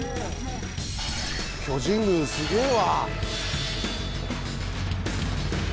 巨人軍すげえわ。